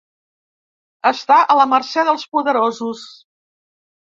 Estar a la mercè dels poderosos.